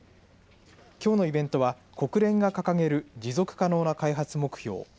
きょうのイベントは国連が掲げる持続可能な開発目標